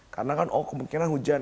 karena kan oh kemungkinan hujan